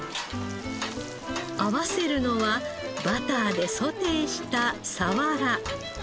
合わせるのはバターでソテーしたサワラ。